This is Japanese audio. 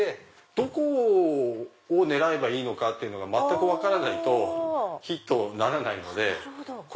どこを狙えばいいのかが全く分からないとヒットにならないので。